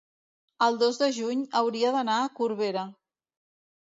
El dos de juny hauria d'anar a Corbera.